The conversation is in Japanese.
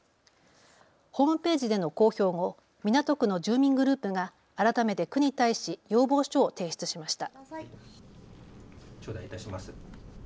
ホームページでの公表後、港区の住民グループが改めて区に対し要望書を提出しました。